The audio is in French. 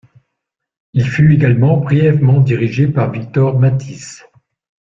Il fut également brièvement dirigé par Victor Matthys.